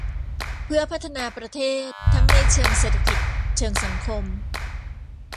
เพื่อพัฒนาประเทศทั้งในเชิงเศรษฐกิจเชิงสังคม